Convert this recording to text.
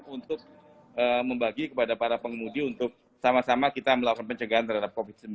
untuk membagi kepada para pengemudi untuk sama sama kita melakukan pencegahan terhadap covid sembilan belas